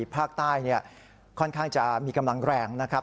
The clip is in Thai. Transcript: ภาคใต้ค่อนข้างจะมีกำลังแรงนะครับ